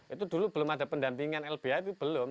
itu dulu belum ada pendampingan lbh itu belum